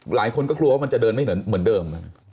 หลายคนก็กลัวว่ามันจะเดินไม่เหมือนเดิม